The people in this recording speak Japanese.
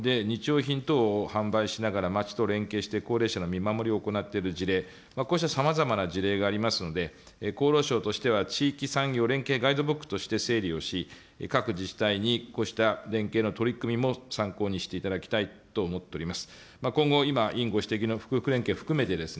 また、地域包括支援センター等と連携して、食事どころと居場所を提供している事例、あるいは移動販売で日用品等を販売しながら町と連携して高齢者の見守りを行っている事例、こうしたさまざまな事例がありますので、厚労省としては地域産業連携ガイドブックと、整理をし、各自治体にこうした連携の取り組みも参考にしていただきたいと思っております。